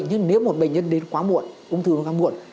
nhưng nếu một bệnh nhân đến quá muộn ung thư đến quá muộn